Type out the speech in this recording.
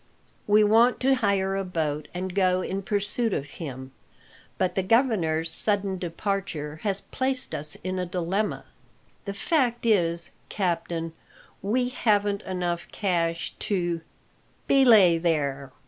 "We want to hire a boat and go in pursuit of him; but the governor's sudden departure has placed us in a dilemma. The fact is, captain, we haven't enough cash to " "Belay there!"